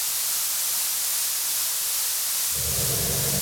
یقین کر لیتا ہوں کے دوسرے اچھی نیت رکھتے ہیں